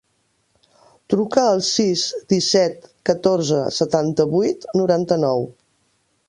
Truca al sis, disset, catorze, setanta-vuit, noranta-nou.